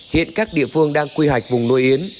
hiện các địa phương đang quy hoạch vùng nuôi yến